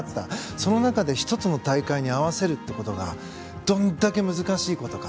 その中で、１つの大会に合わせるってことがどれだけ難しいことか。